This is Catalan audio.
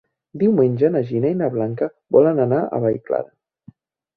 Diumenge na Gina i na Blanca volen anar a Vallclara.